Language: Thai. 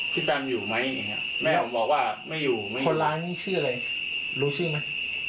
พี่แปมอยู่ไหมแม่บอกว่าไม่อยู่คนร้ายนี่ชื่ออะไรรู้ชื่อไหม